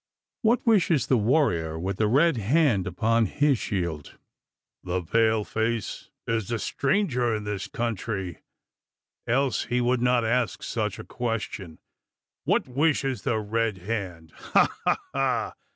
What wishes the warrior with the red hand upon his shield?" "The pale face is a stranger in this country, else he would not ask such a question? What wishes the Red Hand? Ha, ha, ha!